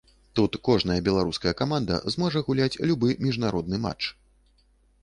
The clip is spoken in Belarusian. Тут кожная беларуская каманда зможа гуляць любы міжнародны матч.